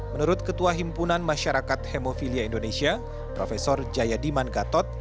menurut ketua himpunan masyarakat hemofilia indonesia prof jayadiman gatot